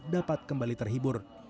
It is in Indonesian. dapat kembali terhibur